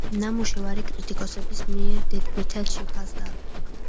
ნამუშევარი კრიტიკოსების მიერ დედბითად შეფასდა.